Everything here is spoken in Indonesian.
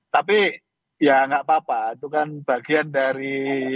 tapi ya nggak apa apa itu kan bagian dari